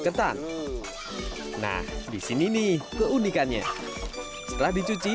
ketan nah disini nih keunikannya setelah dicuci